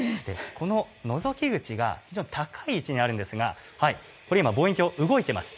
こののぞき口が非常に高い位置にあるんですが、これ今、望遠鏡、動いてます。